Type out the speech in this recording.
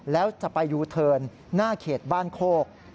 แล้วจะไปยูเทิร์นหน้าเขตบ้านโคก